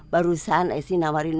barusan esi nawarin